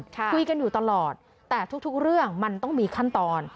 คุยกันอยู่ตลอดแต่ทุกเรื่องมันต้องมีขั้นตอน